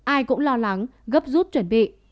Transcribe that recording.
ai cũng lo lắng gấp rút chuẩn bị